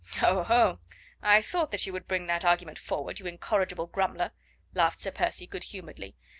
"Oho! I thought that you would bring that argument forward, you incorrigible grumbler," laughed Sir Percy good humouredly.